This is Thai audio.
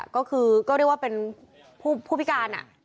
ก็คือก็เรียกว่าเป็นผู้พิการ